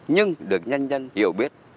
nhưng được nhân dân hiểu biết